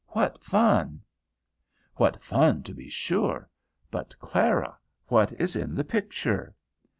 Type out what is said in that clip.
What fun!" "What fun, to be sure; but, Clara, what is in the picture?"